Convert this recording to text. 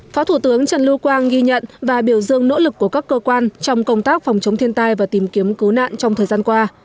phó thủ tướng trần lưu quang ghi nhận và biểu dương nỗ lực của các cơ quan trong công tác phòng chống thiên tai và tìm kiếm cứu nạn trong thời gian qua